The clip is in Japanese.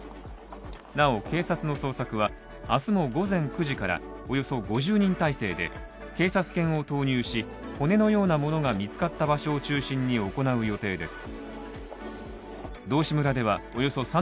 なお警察の捜索はあすも午前９時からおよそ５０人態勢で警察犬を投入し、骨のようなものが見つかった場所を中心に行う予定です。